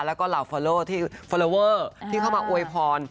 แล้วก็เหล่าที่ฟอลลอเวอร์ที่เข้ามาอวยพร